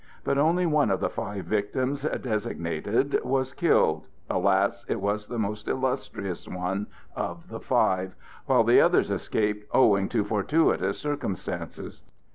But only one of the five victims designated was killed—alas! it was the most illustrious one of the five—while the others escaped owing to fortuitous circumstances.